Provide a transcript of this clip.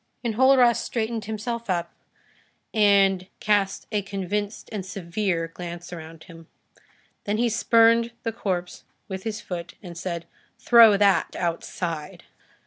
Enjolras straightened himself up, and cast a convinced and severe glance around him. Then he spurned the corpse with his foot and said:— "Throw that outside."